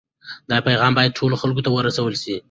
دا پیغام باید ټولو خلکو ته ورسول سي.